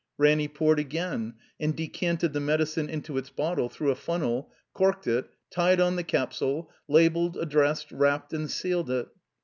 Ranny poured again, and decanted the medicine into its bottle through a funnel, corked it, tied on the capsule, labeled, addressed, wrapped, and sealed it.